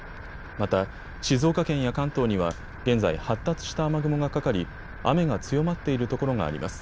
また静岡県や関東には現在、発達した雨雲がかかり雨が強まっているところがあります。